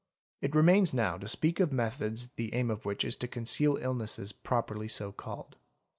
It remains now to speak of methods the aim of which is to conceal illnesses properly so called.